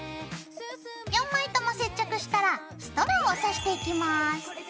４枚とも接着したらストローをさしていきます。